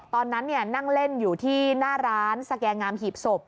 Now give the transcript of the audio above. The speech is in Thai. ตอนนั้นนั่งเล่นอยู่ที่หน้าร้านสแกงามหีบศพ